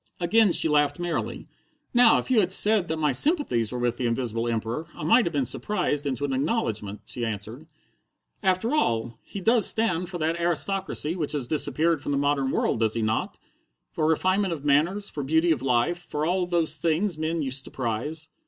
Again she laughed merrily. "Now, if you had said that my sympathies were with the Invisible Emperor, I might have been surprised into an acknowledgment," she answered. "After all, he does stand for that aristocracy that has disappeared from the modern world, does he not? For refinement of manners, for beauty of life, for all those things men used to prize."